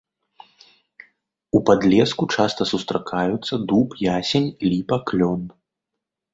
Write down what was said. У падлеску часта сустракаюцца дуб, ясень, ліпа, клён.